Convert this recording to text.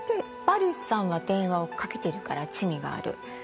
バリスさんは電話をかけてるから罪がある。